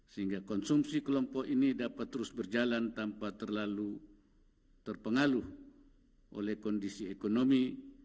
sehingga konsumsi kelompok ini dapat terus berjalan tanpa terlalu terpengaruh oleh kondisi ekonomi